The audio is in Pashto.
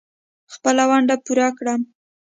خپله ونډه پوره کړم.